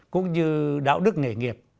cũng như đạo đức nghề nghiệp